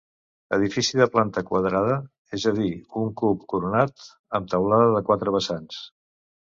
Edifici de planta quadrada, és a dir un cub coronat amb teulada de quatre vessants.